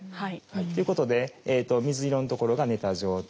っていうことで水色の所が寝た状態。